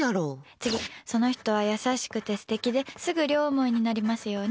次、その人は優しくて素敵ですぐ両思いになりますように。